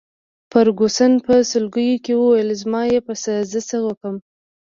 فرګوسن په سلګیو کي وویل: زما يې په څه، زه څه کوم.